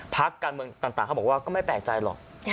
พักการเมืองต่างเขาบอกว่าก็ไม่แปลกใจหรอก